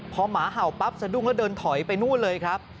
พอหมาเห่าปั๊บสะดุ้งแล้วเดินถอยไปนู่นเลยครับ